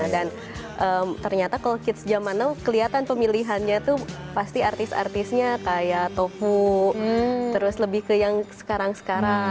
dan ternyata kalau kid zamanow kelihatan pemilihannya itu pasti artis artisnya kayak tofu terus lebih ke yang sekarang sekarang